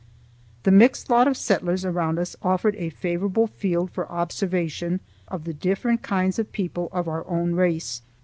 The mixed lot of settlers around us offered a favorable field for observation of the different kinds of people of our own race.